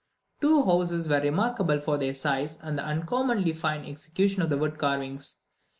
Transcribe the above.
Two houses were remarkable for their size and the uncommonly fine execution of the wood carvings.